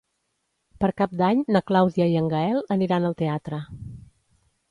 Per Cap d'Any na Clàudia i en Gaël aniran al teatre.